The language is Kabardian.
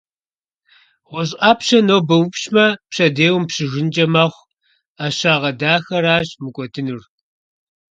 ГъущӀ Ӏэпщэ, нобэ упщмэ, пщэдей умыпщыжынкӀэ мэхъу. Ӏэщагъэ дахэращ мыкӀуэдынур!